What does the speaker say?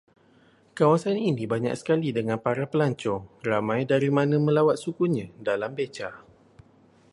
Kawasan ini banyak sekali dengan para pelancong, ramai dari mana melawat sukunya dalam beca